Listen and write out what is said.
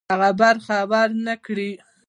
هغه برخه ورنه کړي.